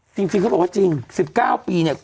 จริงเขาบอกว่าจริง๑๙ปีเนี่ย